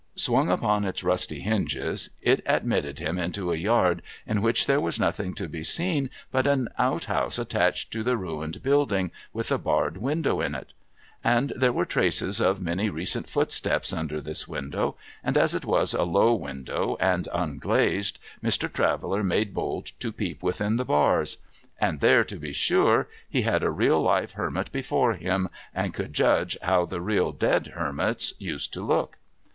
Swung upon its rusty hinges, it admitted him into a yard in which there was nothing to be seen but an outhouse attached to the ruined l)uilding, with a barred window in it. As there were traces of many recent footsteps under this window, and as it was a low window, and unglazed, Mr. Traveller made bold to peep within the bars. And there to be sure, he had a real live Hermit before him, and could judge how the real dead Hermits used to look.